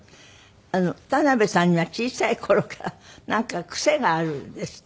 田辺さんが小さい頃からなんか癖があるんですって？